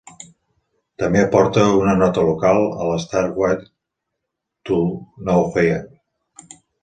També aporta una nota local la Stairway to Nowhere.